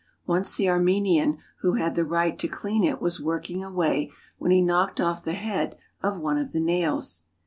Once the Armenian who had the right to clean it was working away when he knocked off the head of one of the nails.